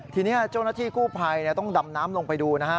ทีนี้เจ้าหน้าที่กู้ภัยต้องดำน้ำลงไปดูนะฮะ